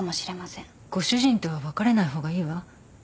ご主人とは別れない方がいいわ。